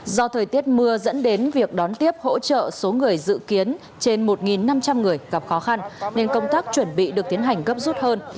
do thời tiết mưa dẫn đến việc đón tiếp hỗ trợ số người dự kiến trên một năm trăm linh người gặp khó khăn nên công tác chuẩn bị được tiến hành gấp rút hơn